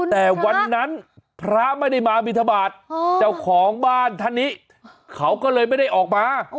แต่วันนั้นพระไม่ได้มาบินทบาทเจ้าของบ้านท่านนี้เขาก็เลยไม่ได้ออกมา